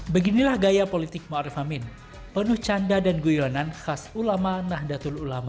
beginilah gaya politik ma'ruf amin penuh canda dan guyonan khas ulama nahdlatul ulama